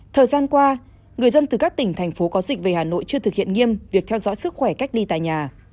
thời gian qua người dân từ các tỉnh thành phố có dịch về hà nội chưa thực hiện nghiêm việc theo dõi sức khỏe cách ly tại nhà